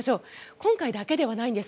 今回だけではないんです。